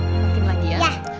lain lagi ya